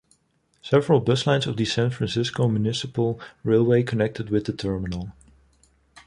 Several bus lines of the San Francisco Municipal Railway connected with the terminal.